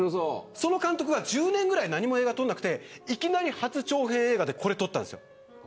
その監督が１０年ぐらい何も映画を撮らなくていきなり初長編映画でこれを撮ったんですよ。